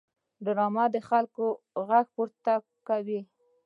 ډرامه د خلکو غږ پورته کوي